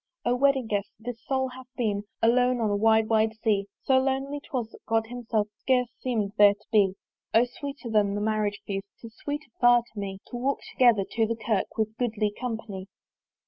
O Wedding guest! this soul hath been Alone on a wide wide sea: So lonely 'twas, that God himself Scarce seemed there to be. O sweeter than the Marriage feast, 'Tis sweeter far to me To walk together to the Kirk With a goodly company.